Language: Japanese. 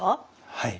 はい。